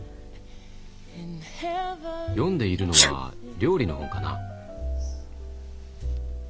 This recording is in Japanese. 読んでいるのは料理の本かな？